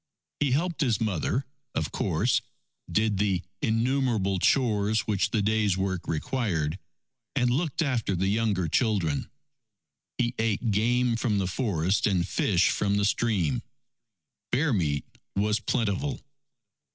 He helped his mother, of course, did the innumerable chores which the day's work required, and looked after the younger children. He ate game from the forest and fish from the stream. Bear meat was plentiful.